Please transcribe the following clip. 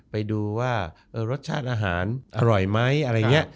ไปดูว่ารสชาติอาหารอร่อยไหมอะไรอย่างนี้